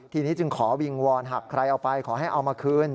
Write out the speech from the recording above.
ทีนี้จึงขอวิงวอนหากใครเอาไปขอให้เอามาคืน